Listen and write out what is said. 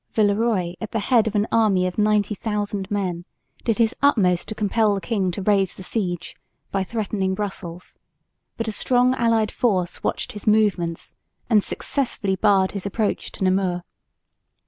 Villeroy, at the head of an army of 90,000 men, did his utmost to compel the king to raise the siege by threatening Brussels; but a strong allied force watched his movements and successfully barred his approach to Namur.